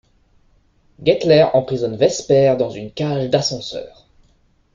Gettler emprisonne Vesper dans une cage d'ascenseur.